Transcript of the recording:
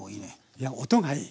いや音がいい。